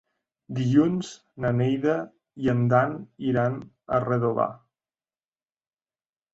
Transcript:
Dilluns na Neida i en Dan iran a Redovà.